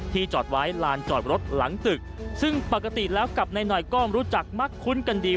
จอดไว้ลานจอดรถหลังตึกซึ่งปกติแล้วกับนายหน่อยก็รู้จักมักคุ้นกันดี